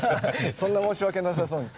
そんな申し訳なさそうに。